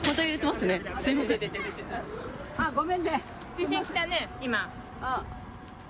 地震来たね、今。